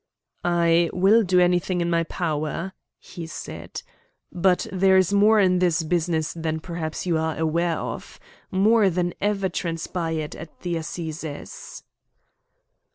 "I will do anything in my power," he said, "but there is more in this business than perhaps you are aware of more than ever transpired at the Assizes."